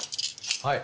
はい。